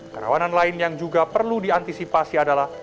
kerawanan lain yang juga perlu diantisipasi adalah